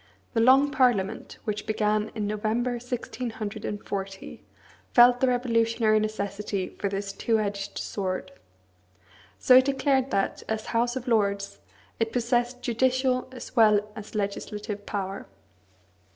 The Long Parliament, which began in November 1640, felt the revolutionary necessity for this two edged sword. So it declared that, as House of Lords, it possessed judicial as well as legislative power.